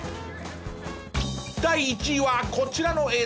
第１位はこちらの映像。